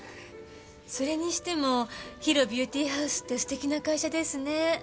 それにしてもＨＩＲＯビューティーハウスって素敵な会社ですね。